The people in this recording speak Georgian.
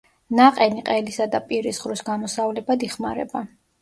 ნაყენი ყელისა და პირის ღრუს გამოსავლებად იხმარება.